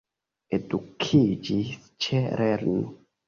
Edukiĝis ĉe lernu!